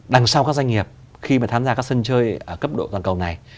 đằng sau các doanh nghiệp khi mà tham gia các sân chơi ở cấp độ toàn cầu này